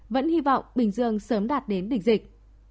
vẫn hy vọng bình dương sớm đạt đến đỉnh dịch